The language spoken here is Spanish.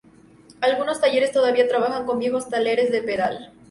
Algunos talleres todavía trabajan con viejos telares de pedal.